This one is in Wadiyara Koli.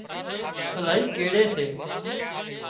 الاهي ڪيڙي سي